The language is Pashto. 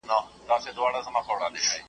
هغوی وویل څښتن چي مو خوشال وي .